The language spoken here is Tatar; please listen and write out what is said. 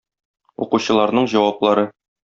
Укучыларның җаваплары.